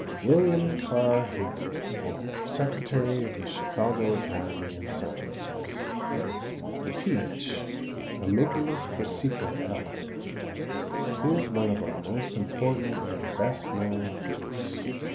WILLIAM KERR HIGLEY, Secretary of The Chicago Academy of Sciences. The peach (Amygdalus persica, L.), is one of our most important and best known fruits.